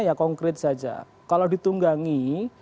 ya konkret saja kalau ditunggangi